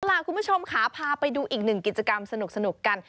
ล่ะคุณผู้ชมค่ะพาไปดูอีกหนึ่งกิจกรรมสนุกกัน